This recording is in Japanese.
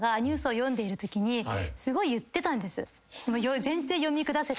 すごい言ってたんです。